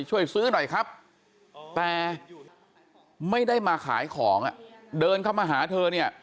ช่วยซื้อหน่อยครับแต่ไม่ได้มาขายของอ่ะเดินเข้ามาหาเธอเนี่ย